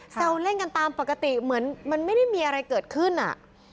แซวเล่นกันตามปกติเหมือนมันไม่ได้มีอะไรเกิดขึ้นอ่ะ